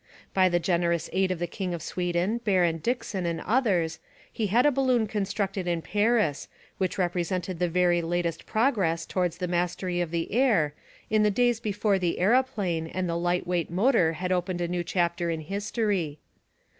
By the generous aid of the king of Sweden, Baron Dickson and others, he had a balloon constructed in Paris which represented the very latest progress towards the mastery of the air, in the days before the aeroplane and the light weight motor had opened a new chapter in history.